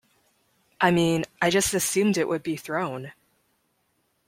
I mean, I just assumed it would be thrown.